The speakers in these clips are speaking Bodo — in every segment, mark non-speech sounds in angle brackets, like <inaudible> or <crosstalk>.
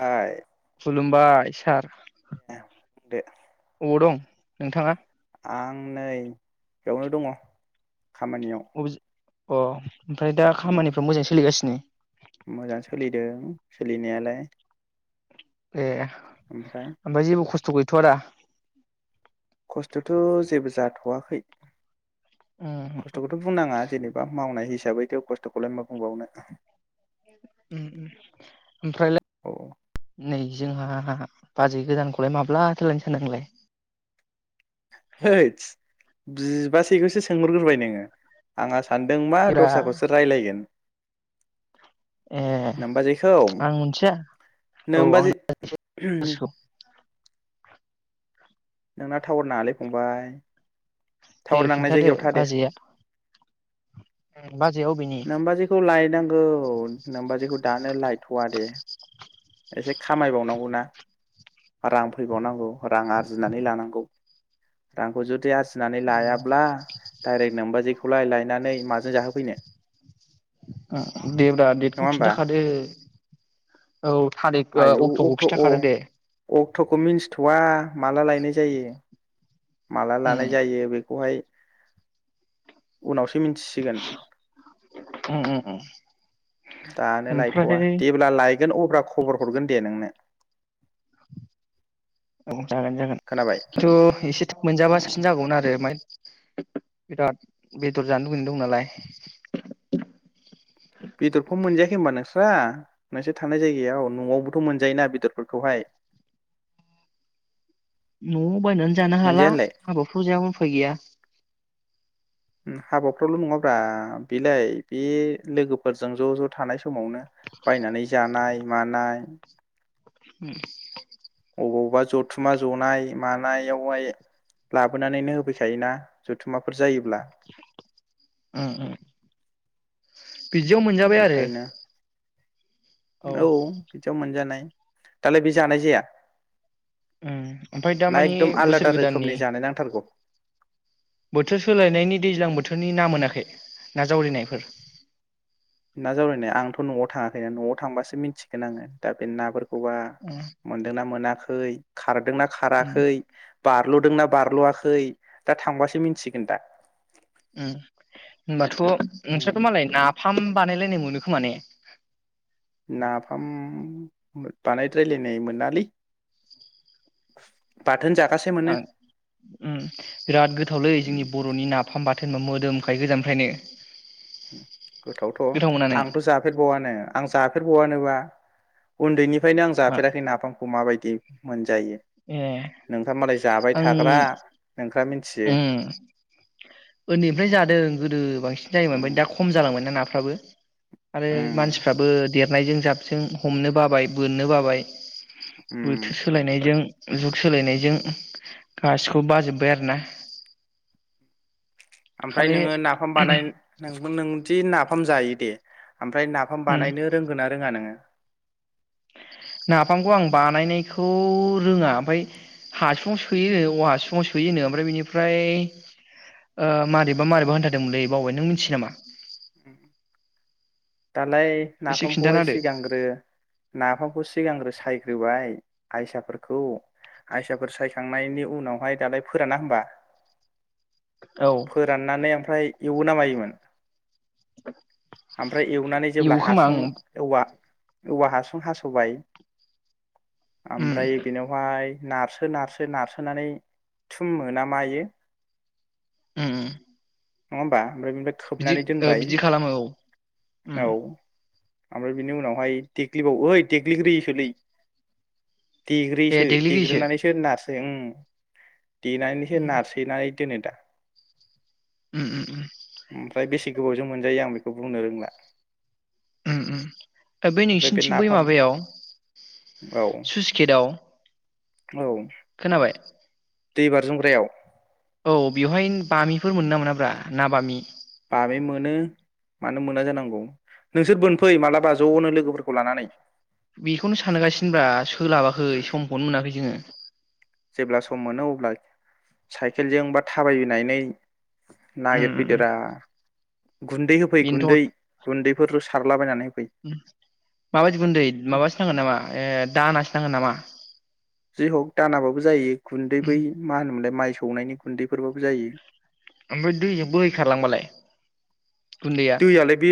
आय खुलुमबाय सार। ए दे ओबाव दं नोंथाङा? आं नै बेयावनो दङ। खामानियाव अबे अ ओमफ्राय दा खामानिफ्रा मोजां सोलिगासिनो? मोजां सोलिदों सोलिनायालाय ए ओमफ्राय जेबो खस खस्थ' गैथ'आ दा? खस्थ' थ' जेबो जाथवाखै। उम खस्थ'खौथ' बुंनाङा जेनेबा मावनाय हिसा साबैथ' खस्थ'खौलाय मा बुंबावनो उम उम औ ओमफ्रालाय नै जोंहा बाजै गोदानखौलाय माब्लाथो लायनो सानदों नोंलाय? हैदस बिबाजैखौसो सोंहरग्रोबाय नोङो आंहास सानदों मा देब्रा दस्राखौसो रायलायगोन। ए नोमबाजैखौ आं मोनथिया औ नोमबाजै आंनो गोसोखौ नोंना टावार नाङालाय फंबाय दे टावार नांनाय खिन्थादो जायगायाव था दे बाजैया बाजैया अबेनि नोमबाजैखौ लायनांगौ नोमबाजैखौ दानो लाइ थ'वा दे एसे खामायबावनांगौना रां फैबावनांगौ रां आरजिनानै लानांगौ रांखौ जुदि आरजि नानै लायाब्ला दाइरेक्ट नोमबाजै खौलाय लायनानै माजों जाहोफैनो दे ब्रा नङा डेटखौ होमबा खिन्थाखादो औ थारिक आयौ ओ अक्टखौ अक्ट' अ खिथाखादो दे अक्टखौ मिन्थिथ'वा माला लायनाय जायो माला उम लानाय जायो बेखौहाय उनावसो मिनथिसिगोन उम उम दानो लायथ'आ ओमफ्राय जेब्ला लाइ गोन अब्ला खबर हरगोन दे नोंनो औ जागोन जागोन खोनाबाय किनथु एसे मोनजाबा साबसिन जागौमोन आरो माय बिराद बेदर जानो लुुबैना दं नालाय बेदरखौ मोनजायाखै होमबा नोंस्रा नोंसोर थानाय जायगायाव न'आवबोथ' मोनजायोना बेदरफोरखौहाय नंगौ। बायनानै जानो मोनजाया हाला होनलाय हाबाफोराव जायाबा उफाय गैया। हाबाफ्रावल नङाब्रा बेलाय बे लोगोफोरजों ज ज थानाय समावनो बायनानै जानाय मानाय <inaudible> बबावबा जथुमा जनाय मानायावहाय लाबोनानैनो होफैखायोना जथुम्माफोर जायोब्ला। उम उम। बिदियाव मोनजाबाय आरो ओंखायनो औ बिदियाव मोनजानाय। दालाय बे जानाय जाया? उम ओमफाय दा ना मानि एकदम बोसोर आलादा गोदाननि रोखोमनि जानो नांथारगौ बोथोर सोलायनायनि दैज्लां बो थोरनि ना मोनाखै न जावरिनायफोर। ना जावरिनाय आंथ नआव थाङाखैना नआव थांबासो मिथिगोन आङो। दा बे नाफोर खौबा उम मोनदोंना मोनाखै। ओइ खारदोंना खाराखै? बारलदोंना बारलआखै दा थांबासो मिथिगोन दा। उम होनबाथ उम। नोंस्राथ मालाय ना फाम बानायलायनाय मोनो खोमा ने? नाफाम बानायद्रायलायनाय मोनालै बा औ उम बिराद गोथावलै जोंनि बरनि नाफामा जेनेबा मोदोमखायो गोजाननिफ्रायनो। गोथावथ गोथाव मोना नों आंथ जाफेरबावानो आं जाफेरबावानो वा उन्दैनि फायनो आं मा जाफेराखै नाफामखौ माबाय दे मोन जायो ए नोंथाङा मालाय जाबाय आं थाग्रा ओं उम ओन्दै ओमफ्राय जादों। गोदो बाय जायोमोन ओमफाय उम दा खम जालांबायना ना थाबो आरो उम मानसिफ्राबो देरनायजों जाबजों हमनो बाबाय बोननो बाबाय। उम बोथोर सोलायनायजों जुग सोलायनायजों गासिखौबो बाजोब्बाय आरो ना ओमफ्राय खालि नोङो नाफाम बानाय नोंबो नों दि नाफाम जायो दे ओमफ्राय नाफाम उम बानायनो रोंगोना रोङा नोङो? नाफामखौ आं बानायनायखौ रोङा ओमफ्राय हासुङाव सोयो औवा हासुङाव सोयो होनो ओमफ्राय बिनिफ्राय ओ मारैबा मारैबा होनथादोंमोनलै बावबाय नों मिथियो नामा? उम दालाय एसे खिन्थाना नाफामखौहाय होदो सिगांग्रो नाफामखौ सिगांग्रो सायख सग्रोबाय आइसाफोरखौ आइसाफोर सायखांनायनि उनावहाय दालाय फोराना होनोमबा औ फोराननानै ओमफ्राय एवोना मायोमोन? ओमफ्राय एवनानै जेब्ला एवो खोमा आं हासुं उम औवा औवा हासुं हास'बाय उम ओमफ्राय बेनावहाय नारसो नारसो नारसोनानै थुमो ना मायो। उम नङा होमबा? ओमफ्राय बेनिफ्राय बिदि खोबनानै ओ दोनबाय। बिदि खालामो औ उम औ ओमफ्राय बिनि उनावहाय देग्लिबावो ओइ देग्लिग्रोयोसोलै ए देग्रोयोसो देग्लिग्रोयोसो देग्रोनानैसो नारसो उम देनानैसो उम नारसोनाय दोनो दा। उम उम ओमफ्राय बेसे गोबावजों मोनजायो आं बेखौ बुंनो रोंला उम उम दा बै ओमफ्राय बे नोंसिनिथिं बै नाफाम माबायाव औ सुइस गेटआव औ खोनाबाय दै बारजुमग्रायाव? औ बेवहाय बामिफोर मोनो ना मोनाब्रा ना बामि? बामि मोनो मानो मोना जानांगौ नोंसोर बोनफै माब्लाबा जनो लोगोफोरखौ लानानै बेखौनो सानगासिनोब्रा सोलाबाखै समखौनो मोनाखै जोङो। जेब्ला सम मोनो अब्ला साइकेलजों बा थाबायनानै उम नागिर उम उम फैदोरा गुन्दै होफै गुन्दै गुन्दैफोर रस सारलाबायनानै होफै उम माबादि गुन्दै माबासो नांगोन नामा दानासो नांगोन नामा? जि हक दानाबाबो जायो। गुन्दै उम बै मा होनो मोनलाय माइ सौनायनि गुन्दैफोरबाबो जायो। ओमफ्राय दैजों बोहै खारलांबालाय दैयालाय बे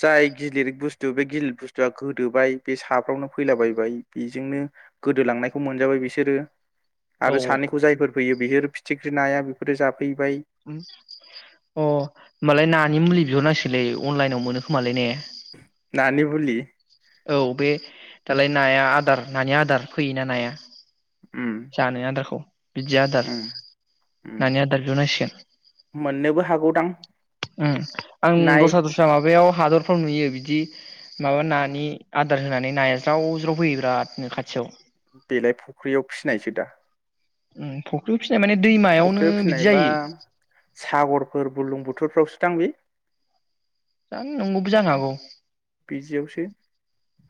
जाय गिलिर बुस थु बे गिलिर बस्थुआ गोदोबाय बे साफ्रावनो फैलाबायबाय बेजोंनो गोदोलांनायखौ मोनजाबाय बिसोरो औ आरो सानैखौ जायफोर फैयो बिफोर फिथिख्रि नाया बेफोर जा उम अह होमबालाय नानि मुलि बिहरनांसैलै अनलाइनाव मोनो खोमालाय ने? नानि मुलि औ बे दालाय नाया आदार नानि आदार फैयोना नाया उम जानो आदारखौ बिदि आदार उम उम नानि आदार बिहरनांसिगोन। मोननोबो हागौदां उम आं नाय दस्रा दस्रा माबाया व हादरफोराव नुयो बिदि माबा नानि आदार होनानै नाया ज्राव-ज्राव फैयो बिरादनो खाथियाव। बेलाय फुख्रियाव फिनायसो दा उम फख्रिआव फि फुख्रियाव फिनाय बा सागरफोर बुलुं बुथोरफ्रावसो दांबि? जानो नंगौबो‌ जानो हागौ बिदियावसो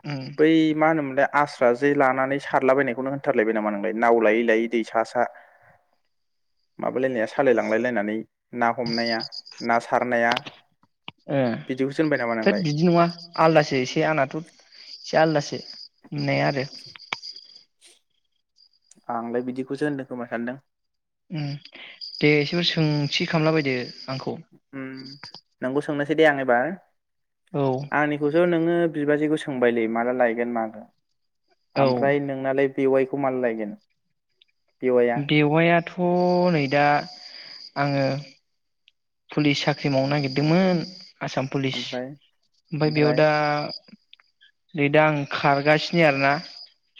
उम बै मा होनोमोनलाय आस्रा जे लानानै सारलाबायनायखौनो होनथारलायबाय नामा नोंलाय? नाव लायै लायै दै सा सा माबालायनाया सालायलांलाय लायनानै ना हमनाया ना सारनाया? ए बिदिखौसो होनबाय नामा थोद नोंलाय बिदि नंङा आलदासो एसे आंनाथ एसे आलदासो नुनाया आरो। आंलाय बिदिखौसो होनदों खोमाय सानदों। उम। दे इसेबो सोंथि खालामलाबायदो आंखौ उम नोंगौ सोंनि दे आं एबार। औ आंनिखौसो नों ङो बिबाजैखौ सोंबायलै माला लायगोन मागोन। औ ओमफ्राय नोंनालाय बेवायखौ माला लायगोन? बेवाइआ बेवायाथ नै दा आङो पुलिस साख्रि मावनो नागिरदोंमोन आसाम पुलिस। ओमफ्राय ओमफाय बेयाव ओमफ्राय दा नै दा आं खारगासिनो आरोना,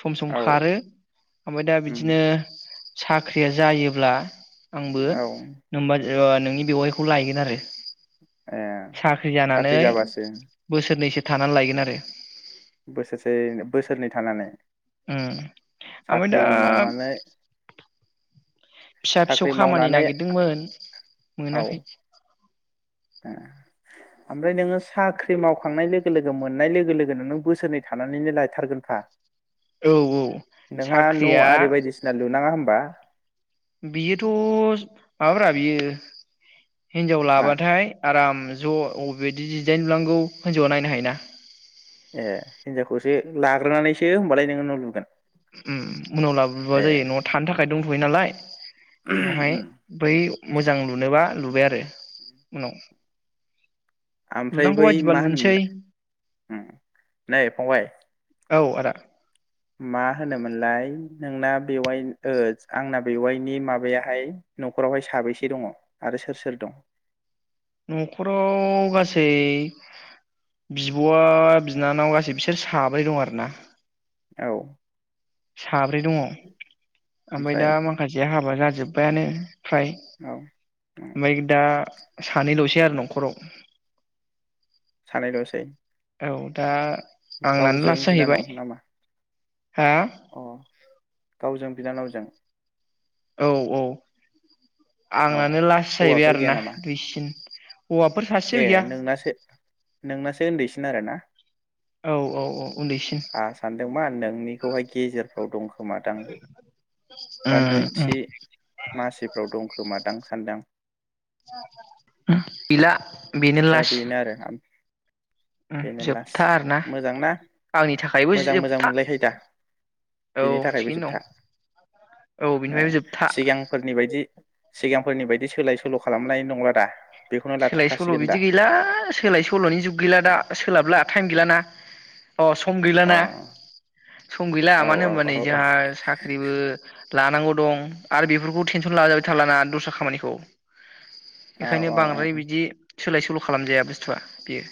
सम सम औ खारो। ओमफ्राय दा उम बिदिनो साख्रिया जायोब्ला आंबो औ नोमबाजै ओ नोंनि बेवाय खौ लायगोन आरो। ए साख्रि जानानै बोसोरनैसो थानानै लायगोन आरो। बोसोरसे बोसोरनै थानानै? उम। ओमफ्राय साख्रि दा मावनानै फिसा फिसौ साख्रि खामानि मावनानै नागिरदोंमोन औ मोनाखै। ए ओमफ्राय नोङो साख्रि मावखांनाय लोगो लोगो मोननाय लोगो लोगोन नों बोसोरनै थानानैनो लायथारगोनफा? औ औ नोंहा न साख्रिया आरि बायदिसिना लुनाङा होमबा बियोथ माबाफ्रा बियो हिनजाव मा लाबाथाय आराम ज अबेबायदि डिजाइन लुनांगौ हिनजौआ नायनो हायोना। ए हिनजावखौसो लाग्रोनानैसो होमबालाय नोङो न लुगोन उनाव लाबोबा जायो नआव थानो थाखाय दंथयो नालाय उनावहाय ए बै मोजां लुनोबा लुबाय आरो उनाव। आमफ्राय लुनांगौ बै बादिबा मा लुनोसै होनोमोनलाय उम नै फंबाय औ आदा मा होनोमोनलाय नोंना बेवाय ओ आंना बेवाइनि माबायाहाय नखरावहाय साबैसे दङ आरो सोर सोर दं नखराव गासै बिबआ बिनानावा गासै बिसोर साब्रै दं आरोना औ साब्रै दङ ओमफाय ओमफ्राय दा माखासे हाबा जागोन जोब्बायानो फ्राय औ उम ओमफाय दा सानैलसै आरो नखराव सानैलसै? औ दा आंनानो गावजों लास बिनानाव जाहैबाय नामा हा? अ गावजों बिनानावजों औ औ अ आंनानो लास जाहैबाय आरोना दुइसिन। हौवाफोर सासेबो एह गैया नोंनासो नोंनासो ओनदैसिन आरो ना? औ औ औ उन्दैसिन। खौहाय गेजेरफ्राव दं खोमादां उम बा नैथि उम मासिफ्राव दं खोमादां सान्दां गैला बेनो दा लास्ट बेनो आरोना उम बेनो लास जोबथा आरोना मोजांना आंनि थाखायबो मोजां मोजां जोबथा मोनलायखायो दा औ बेनि थाखायबो थिगैनो दं जोबथा औ बिनिफ्रायबो एह जोबथा सिगांफोरनि बायदि सिगांफोरनि बायदि सोलाय सोल खालामनाय नंला दा? बेखौनो लाथारखासै दि गैला सोलाय सोलनि जुग गैला दा सोलाबला टाइम गैलाना। आ अह सम गैलाना। सम गैला औ मानो औ होमबा औ नै जोहा साख्रिबो लानांगौ दं आरो बेफोरखौ टेनसन लाजाबाय थालाना दस्रा खामानिखौ औ बेखायनो औ बांद्राय औ बिदि सोलाय सोल‌ खालामजाया बुस्थुआ बेयो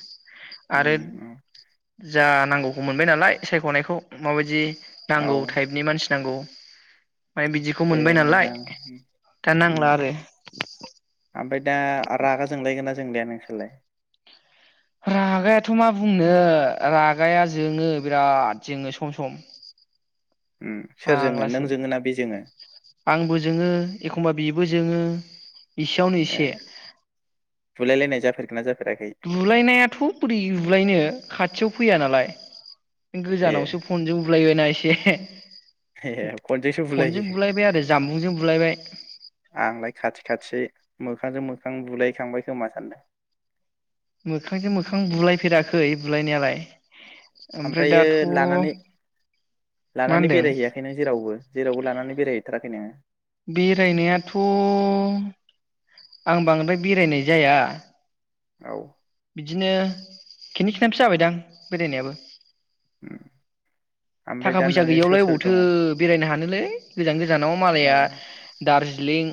आरो जा नांगौखौ मोनबाय नालाय सायखनायखौ माबायदि औ नांगौ टाइपनि मानसि नांगौ फाय बिदिखौ दे मोनबाय नालाय मोजां दा नांला आरो। ओमफ्राय दा रागा जोंलायगोना जोंलाया नोंसोरलाय? रागायाथ मा बुंनो रागाया जोङो बिराद जोङो सम सम सोर जोङो नों फागलासो जोङो ना बे जोङो आंबो जोङो एखमबा बेबो जोङो इसेयावनो ए इसे बुलायलायनाय जाफेर दोंना जा बुलायनायाथ बोरै बुलायनो खाथियाव फैया नालाय ए गोजानावसो फनजों बुलायबायना एसे <inaudible> ए फनजोंसो बुलायो फनजों बुलायबाय आरो जामबुंजों बुलायबाय आंलाय खाथि खाथि मोखांजों मोखां बुलायखांबाय खोमा सानदों मोखांजों मोखां बुलायफेराखै बुलायनायालाय ओमफ्राय आमफ्रायो दाथ' लानानै मा लानानै होनदों बेरायहैयाखै नों जेरावबो जेरावबो लानानै बेराय थाराखै नोङो बेरायनायाथ आं बांद्राय बेरायनाय जाया औ बिदिनो खेनि खेथामसो जाबायदां बेरायनायाबो उम ओमफ्राय थाखा दा फैसा नोंजों सोर गैयियावलाय सोर अबावथो दङ औ बेरायनो हानोलै गोजान गोजानाव मालाया दार्जिलिं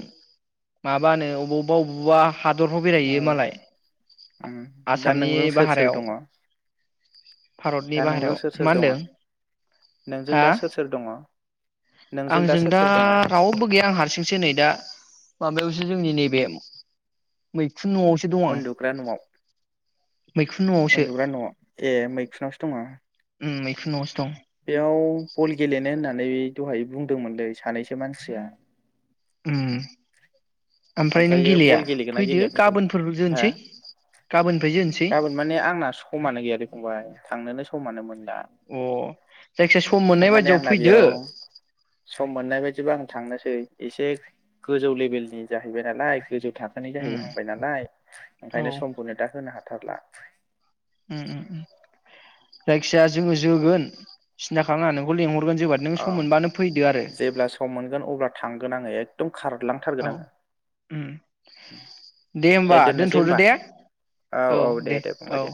माबानो अबावबा अबावबा हादराव बेरायहैयो औ मालाय उम दा आ-आसामनि नोंजों सोर सोर बाहेरायाव दङ दा भारतनि नोंजों बाहेरायाव सोर सोर मा दङ होनदों नोंजों हा दा सोर सोर दङ नोंजों आंजों सोर दा सोर दङ रावबो गैया आं हारसिंसो नै दा ब- जोंनि नैबे मै मैखुन नआवसो दं आं उन्दुग्रा न'आव मै उन्दुग्रा नयाव ए मैखुनावसो दङ उम नआवसो दं बेयाव बल गेलेनो होननानै दहाय बुंदोमोनलै सानैसो मानसिया उम ओमफ्राय नों ओमफ्राइयो गेलेया बल गेलेगोना फैदो गेलेयाखैसै गाबोनफोर हो जोनोसै गाबोननिफ्राय जोनोसै गाबोन माने आंना समानो गैयालै फंबाय थांनोनो समानो मोनला अ जायखिजाया सम मोननाय थारमाने बायदियाव आंना फैदो बेयाव सम मोननाय बादिब्ला आं थां नोसै एसे गोजौ लेभेलनि जाहैबाय नालाय गोजौ थाखोनि उम जाहैहांबाय नालाय औ ओंखायनो समखौनो दा होनो हाला थाशला उम उम जायखिाया जोङो जोगोन सिन्था खालामनाङा नोंखौ लिंहर गोन जोबानो नों सम मोनबानो फैदो आरो गोन अब्ला थांगोन आङो एकदम खारलांथारगोन ओव आङो उम दे होमबा दोननोसै दोनथदो होमबा दे औ दे औ